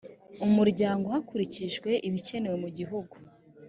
umuryango hakurikijwe ibikenewe mu gihugu